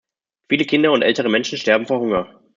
Viele Kinder und ältere Menschen sterben vor Hunger.